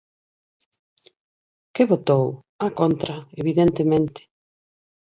¿Que votou? Á contra, evidentemente.